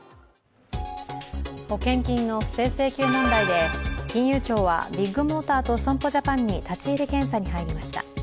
保険金の不正請求問題で金融庁は、ビッグモーターと損保ジャパンに立ち入り検査に入りました。